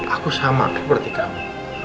aku sama seperti kamu